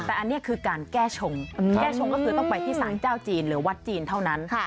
แต่อันนี้คือการแก้ชงแก้ชงก็คือต้องไปที่สารเจ้าจีนหรือวัดจีนเท่านั้น